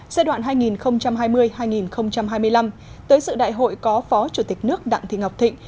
giai đoạn hai nghìn hai mươi hai nghìn hai mươi năm tới sự đại hội có phó chủ tịch nước đặng thị ngọc thịnh